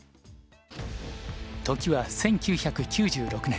時は１９９６年